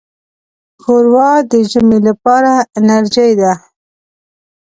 ښوروا د ژمي لپاره انرجۍ ده.